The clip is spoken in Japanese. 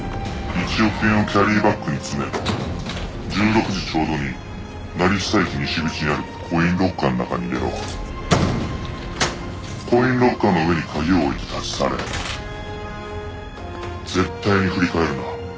「１億円をキャリーバッグに詰め１６時ちょうどに成久駅西口にあるコインロッカーの中に入れろ」「コインロッカーの上に鍵を置いて立ち去れ」「絶対に振り返るな」